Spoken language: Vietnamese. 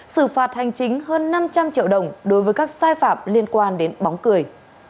xử phạt hành chính hơn năm trăm linh triệu đồng đối với các sai phạm liên quan đến bóng cười